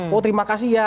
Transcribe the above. oh terima kasih ya